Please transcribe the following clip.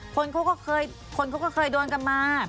คนเขาก็เคยคนเขาก็เคยโดนกันมา